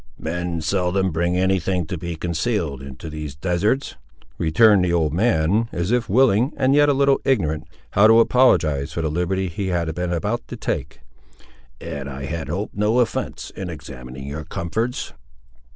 "Men seldom bring any thing to be concealed into these deserts," returned the old man, as if willing, and yet a little ignorant how to apologize for the liberty he had been about to take, "and I had hoped no offence, in examining your comforts."